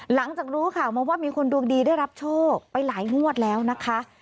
หลังจากรู้ข่าวมาว่ามีคนดวงดีได้รับโชคไปหลายงวดแล้วนะคะ